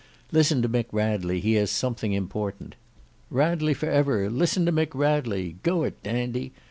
"Listen to Mick Radley, he has something important." "Radley for ever! Listen to Mick Radley! Go it Dandy!